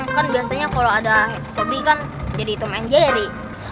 kan biasanya kalo ada sobri kan jadi tumenjeri